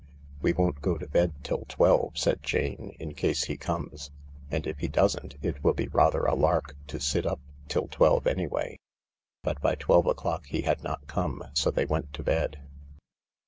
"We won't go to bed till twelve," said Jane, "in case he comes. And if he doesn't, it will be rather a lark to sit up till twelve anyway." But by twelve o'clock he had not come, so they went to bed.